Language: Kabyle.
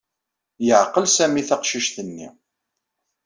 Yeɛqel Sami taqcict-nni.